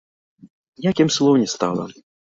Як ім слоў не стала.